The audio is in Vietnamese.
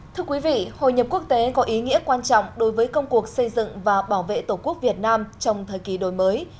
thưa quý vị hội nhập quốc tế có ý nghĩa quan trọng đối với công cuộc xây dựng và bảo vệ tổ quốc việt nam trong thời kỳ đổi mới